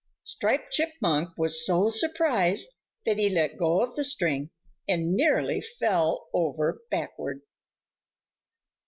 Striped Chipmunk was so surprised that he let go of the string and nearly fell over backward.